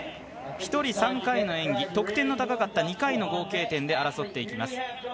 １人３回の演技得点の高かった２回の合計点で争っていきます。